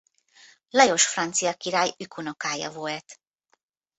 Lajos francia király ükunokája volt.